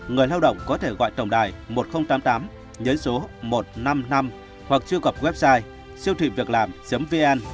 người lao động có thể gọi tổng đài một nghìn tám mươi tám một trăm năm mươi năm hoặc truy cập website siêu thịviệclam vn